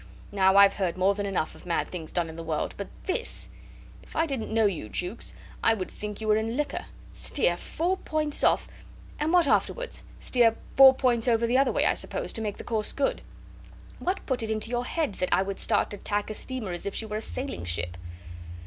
Now, I've heard more than enough of mad things done in the world but this. ... If I didn't know you, Jukes, I would think you were in liquor. Steer four points off. ... And what afterwards? Steer four points over the other way, I suppose, to make the course good. What put it into your head that I would start to tack a steamer as if she were a sailing ship?"